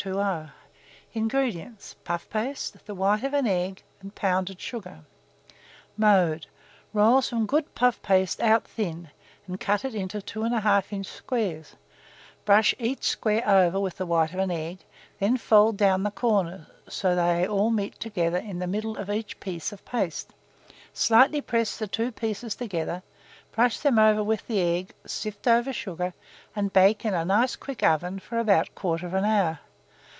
INGREDIENTS. Puff paste, the white of an egg, pounded sugar. Mode. Roll some good puff paste out thin, and cut it into 2 1/2 inch squares; brush each square over with the white of an egg, then fold down the corners, so that they all meet in the middle of each piece of paste; slightly press the two pieces together, brush them over with the egg, sift over sugar, and bake in a nice quick oven for about 1/4 hour.